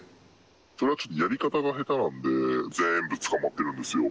それはちょっとやり方が下手なんで、全部捕まってるんですよ。